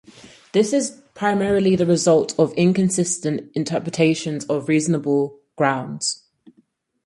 This is primarily the result of inconsistent interpretations of reasonable grounds.